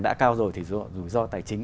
đã cao rồi thì rủi ro tài chính